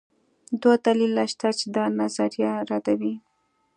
دوه دلایل شته چې دا نظریه ردوي